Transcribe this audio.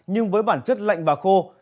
nhưng với bản chất lạnh và khô